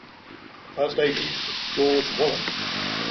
The first agent was George Wallen.